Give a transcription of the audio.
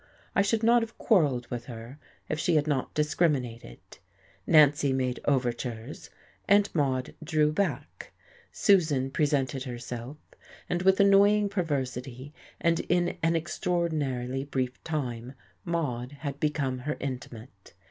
I should not have quarrelled with her if she had not discriminated: Nancy made overtures, and Maude drew back; Susan presented herself, and with annoying perversity and in an extraordinarily brief time Maude had become her intimate.